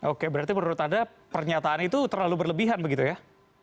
oke berarti menurut anda pernyataan itu terlalu berlebihan begitu ya